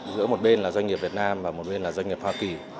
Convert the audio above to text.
giữa một bên là doanh nghiệp việt nam và một bên là doanh nghiệp hoa kỳ